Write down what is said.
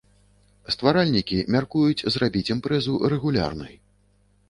Стваральнікі мяркуюць зрабіць імпрэзу рэгулярнай.